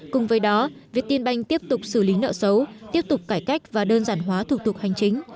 cùng với đó việt tiên banh tiếp tục xử lý nợ xấu tiếp tục cải cách và đơn giản hóa thủ tục hành chính